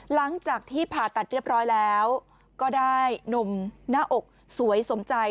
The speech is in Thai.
หลังจากที่ผ่าตัดเรียบร้อยแล้วก็ได้หนุ่มหน้าอกสวยสมใจ